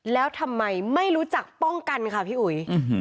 แล้วทำไมไม่รู้จักป้องกันค่ะพี่อุ๋ย